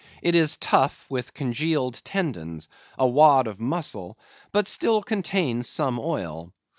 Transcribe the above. It is tough with congealed tendons—a wad of muscle—but still contains some oil.